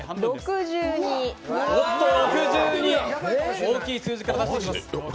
大きい数字から出していきます。